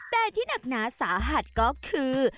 แต่ที่หนักหนาสาหัสก็คือ